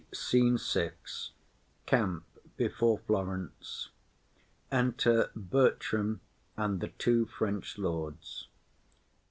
_] SCENE VI. Camp before Florence. Enter Bertram and the two French Lords.